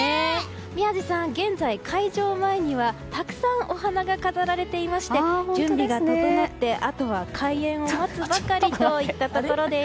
宮司さん、現在、会場前にはたくさんお花が飾られていまして準備が整って、あとは開演を待つばかりといったところです。